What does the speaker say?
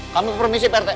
kamu permisi pak rt